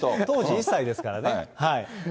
当時１歳ですからね。